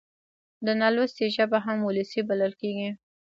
د نالوستي ژبه هم وولسي بلل کېږي.